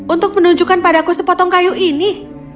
untuk menunjukkan padaku sepotong kayu ini